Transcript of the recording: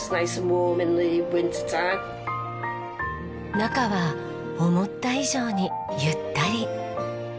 中は思った以上にゆったり。